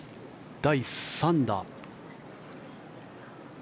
第３打。